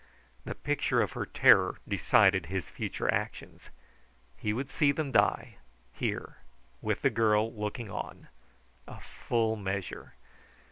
The picture of her terror decided his future actions. He would see them die, here, with the girl looking on. A full measure.